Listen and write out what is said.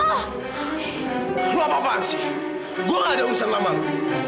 kamu apa apaan sih aku tidak ada urusan sama kamu